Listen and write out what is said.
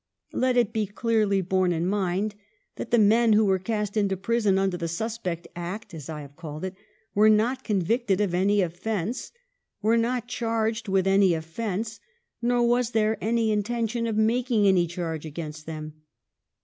Let it be clearly borne in mind that the men who were cast into prison under the Suspect Act, as I may call it, were not convicted of any offence, were not charged with any offence, nor was there any intention of making any charge against them.